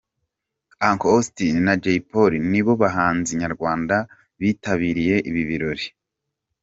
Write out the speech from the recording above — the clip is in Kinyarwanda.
Uncle Austin na Jay Polly ni bo bahanzi nyarwanda bitabiriye ibi birori.